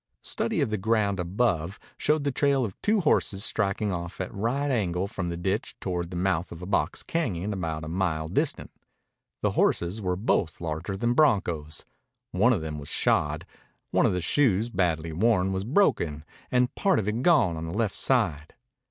Study of the ground above showed the trail of two horses striking off at a right angle from the ditch toward the mouth of a box cañon about a mile distant. The horses were both larger than broncos. One of them was shod. One of the front shoes, badly worn, was broken and part of it gone on the left side.